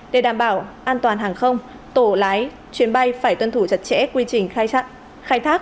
để đảm bảo an toàn hàng không tổ lái chuyến bay phải tuân thủ chặt chẽ quy trình khai thác